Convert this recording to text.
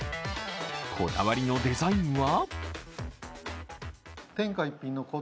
こだわりのデザインは？